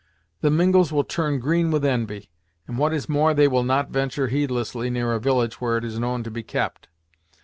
The Mingos will turn green with envy, and, what is more, they will not ventur' heedlessly near a village where it is known to be kept.